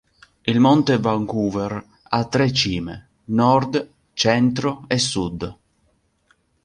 Il Monte Vancouver ha tre cime: nord, centro e sud.